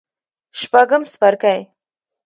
شپږم څپرکی